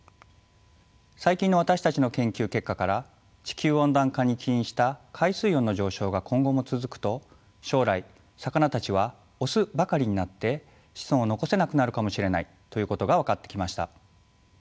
最近の私たちの研究結果から地球温暖化に起因した海水温の上昇が今後も続くと将来魚たちはオスばかりになって子孫を残せなくなるかもしれないということが分かってきました。